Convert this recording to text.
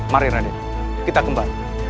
mari raden kita kembali